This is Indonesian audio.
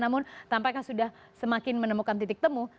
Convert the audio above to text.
namun tampaknya sudah semakin menemukan titik temu